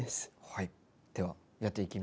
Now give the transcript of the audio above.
はい。